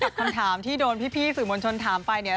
คำถามที่โดนพี่สื่อมวลชนถามไปเนี่ย